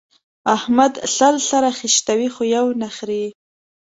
احمد سل سره خيشتوي؛ خو يو نه خرېي.